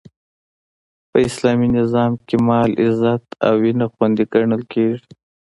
په اسلامي نظام کښي مال، عزت او وینه خوندي ګڼل کیږي.